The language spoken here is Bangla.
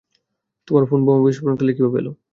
তোমার ফোন বোমা বিস্ফোরণস্থানে কিভাবে এলো?